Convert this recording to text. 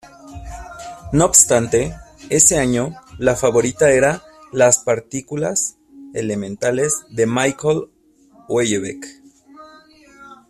No obstante, ese año, la favorita era "Las partículas elementales", de Michel Houellebecq.